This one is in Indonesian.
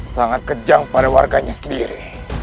sangat kejang pada warganya sendiri